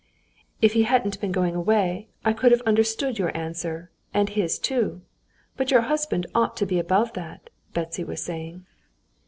"If he hadn't been going away, I could have understood your answer and his too. But your husband ought to be above that," Betsy was saying.